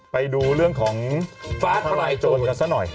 ไปดูเรื่องของฟ้าทลายโจรกันซะหน่อย